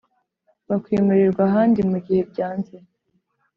bakwimurirwa ahandi mu gihe byanze.